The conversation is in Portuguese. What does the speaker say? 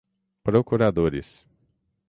procuradores